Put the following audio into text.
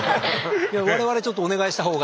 我々ちょっとお願いした方が。